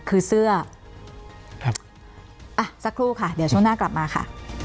คือเสื้อครับอ่ะสักครู่ค่ะเดี๋ยวช่วงหน้ากลับมาค่ะ